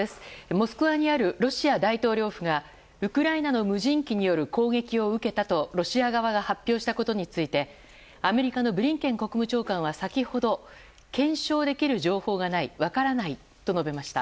モスクワにあるロシア大統領府がウクライナの無人機による攻撃を受けたとロシア側が発表したことについてアメリカのブリンケン国務長官は先ほど検証できる情報がない分からないと述べました。